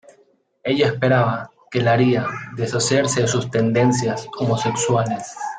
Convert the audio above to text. Ella esperaba que le haría deshacerse de sus tendencias homosexuales.